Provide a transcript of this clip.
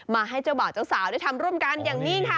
ให้เจ้าบ่าวเจ้าสาวได้ทำร่วมกันอย่างนี้ค่ะ